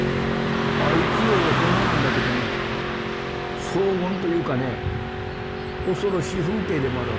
一応大人なんだけどね荘厳というかね恐ろしい風景でもあるわけ。